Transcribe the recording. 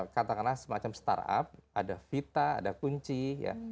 katakanlah semacam startup ada vita ada kunci ya